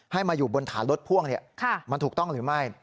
ให้มาอยู่บนฐานรถพ่วงมันถูกต้องหรือไม่